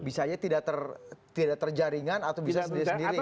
bisa aja tidak terjaringan atau bisa sendiri sendiri